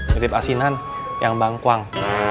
duduk asinan yang bangkuang